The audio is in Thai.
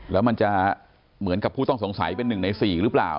แล้วมันจะเหมือนกับผู้ต้องสงสัยเป็น๑ใน๔หรือเปล่า